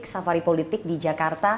kalau pak prabowo gimana